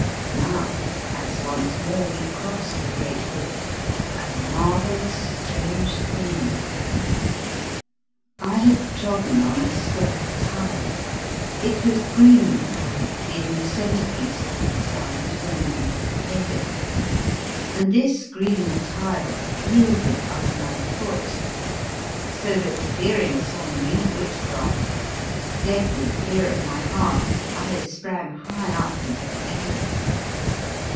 Now, as once more we crossed the great hall, a marvellous strange thing befell. I had trodden on a square tile — it was green in colour, being the centre piece of the design that orna 30 The Fearsome Island merited the paving, — and this green tile yielded under my foot, so that, fearing some new witchcraft, with a deadly fear at my heart, I sprang high up into the air.